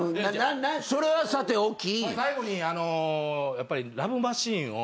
それはさておき。